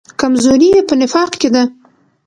کمزوري یې په نفاق کې ده.